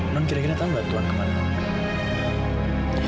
man kira kira tahu nggak tuhan kemana